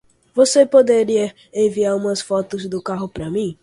Você poderia enviar umas fotos do carro pra mim